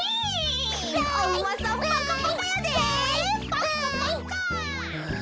パカパカ！